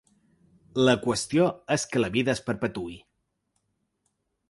La qüestió és que la vida es perpetuï.